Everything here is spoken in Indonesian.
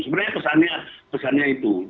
sebenarnya pesannya itu